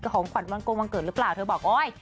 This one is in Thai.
ของขวัญวันโกงวันเกิดหรือเปล่าเธอบอกโอ๊ย